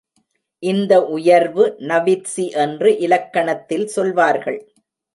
இதை உயர்வு நவிற்சி என்று இலக்கணத்தில் சொல்வார்கள்.